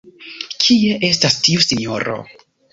Kie estas tiu sinjoro?